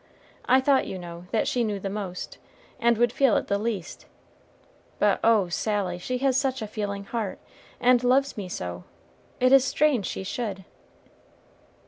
I thought, you know, that she knew the most, and would feel it the least; but oh, Sally, she has such a feeling heart, and loves me so; it is strange she should."